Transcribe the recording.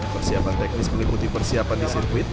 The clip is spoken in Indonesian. persiapan teknis meliputi persiapan di sirkuit